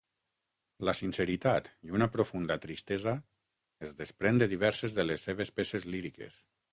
La sinceritat i una profunda tristesa es desprèn de diverses de les seves peces líriques.